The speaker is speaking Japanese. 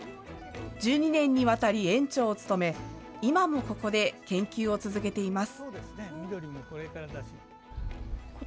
１２年にわたり、園長を務め、今もここで研究を続けています。